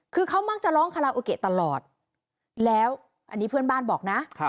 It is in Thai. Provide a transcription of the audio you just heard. คือเขามั่งจะร้องตลอดแล้วอันนี้เพื่อนบ้านบอกนะครับ